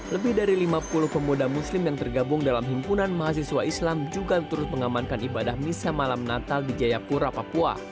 lebih dari lima puluh pemuda muslim yang tergabung dalam himpunan mahasiswa islam juga turut mengamankan ibadah misa malam natal di jayapura papua